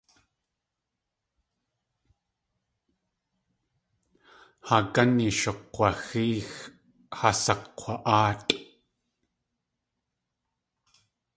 Haa gáni shukg̲waxéex, haa sakg̲wa.áatʼ.